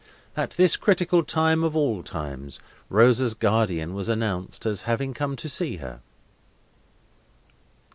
At this critical time, of all times, Rosa's guardian was announced as having come to see her.